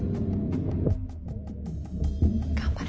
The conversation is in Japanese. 頑張れ。